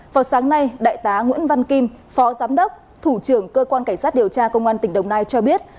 vào sáng nay đại tá nguyễn văn kim phó giám đốc thủ trưởng cơ quan cảnh sát điều tra công an tỉnh đồng nai cho biết